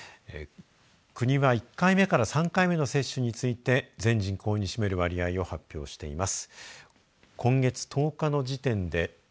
国は１回目から３回目の接種について全人口に占める割合を発表しています。